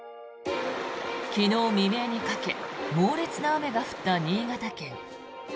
昨日未明にかけ猛烈な雨が降った新潟県。